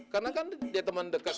karena kan dia teman dekat